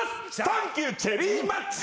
サンキューチェリーマッチ。